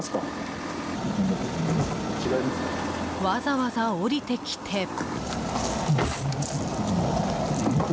わざわざ降りてきて。